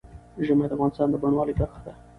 ژمی د افغانستان د بڼوالۍ برخه ده.